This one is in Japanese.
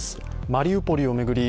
マリウポリを巡り